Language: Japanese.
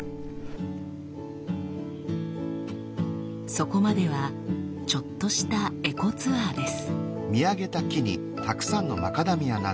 そこまではちょっとしたエコツアーです。